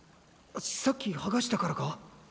さっきはがしたからか？